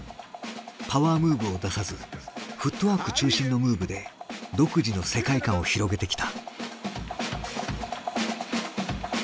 パワームーブを出さずフットワーク中心のムーブで独自の世界観を広げてきた。